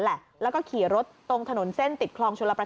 ป้าของน้องธันวาผู้ชมข่าวอ่อน